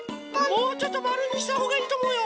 もうちょっとまるにしたほうがいいとおもうよ。